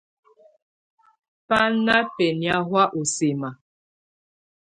Bá ná bɛnɛ̀á hɔ̀á u sɛma.